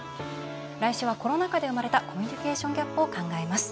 来週は、コロナ禍で生まれたコミュニケーションギャップを考えます。